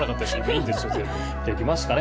いきますかね。